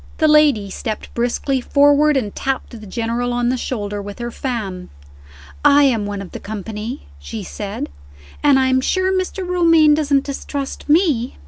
The lady stepped briskly forward, and tapped the General on the shoulder with her fan. "I am one of the company," she said, "and I am sure Mr. Romayne doesn't distrust me."